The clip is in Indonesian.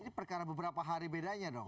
ini perkara beberapa hari bedanya dong